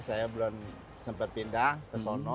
saya belum sempat pindah ke sana